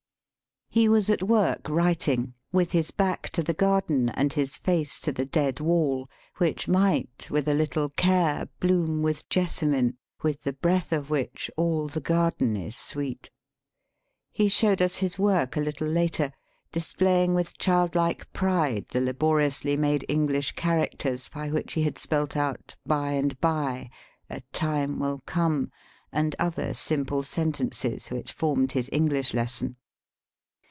He was at work writing, with his back to the garden, and his face to the dead wall, which might with a little care bloom with jessamine, with the breath of which all the garden is sweet. He showed us his work a little later, displaying with childlike pride the laboriously made English characters by which he had spelt out *'By and by," '* A time will come,'' and other simple sentences, which formed his EngHsh lesson.